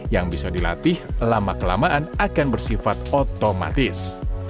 yang bisa dilatih lama kelamaan akan bersifat otomatis